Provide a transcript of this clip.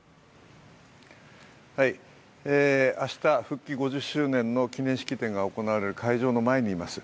明日、復帰５０周年の記念式典が行われる会場の前にいます。